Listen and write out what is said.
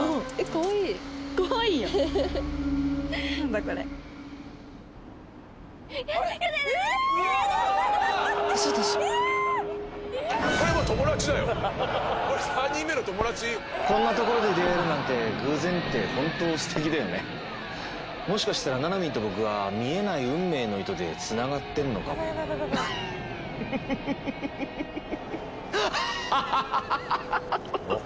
これ３人目の友達こんな所で出会えるなんて偶然って本当すてきだよねもしかしたらななみんと僕は見えない運命の糸でつながってるのかもふふふふっははははっ！